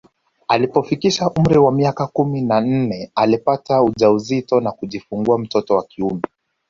Alipofikisha umri wa miaka kumi na nne alipata ujauzito na kujifungua mtoto wa kiume